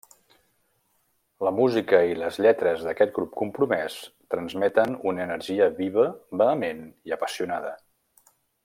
La música i les lletres d'aquest grup compromès transmeten una energia viva, vehement i apassionada.